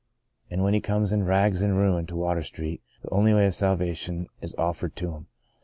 And when he comes in rags and ruin to Water Street, the only way of salvation is offered to him.